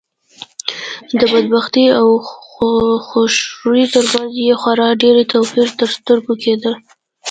د بدبینۍ او خوشروی تر منځ یې خورا ډېر توپير تر سترګو کېده.